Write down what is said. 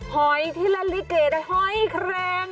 หอยที่เล่นลิเกหอยแครง